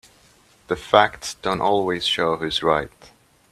The facts don't always show who is right.